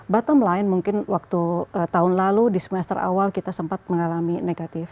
bottom line mungkin waktu tahun lalu di semester awal kita sempat mengalami negatif